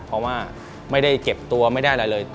เพราะว่าไม่ได้เจ็บตัวไม่ได้อะไรเลย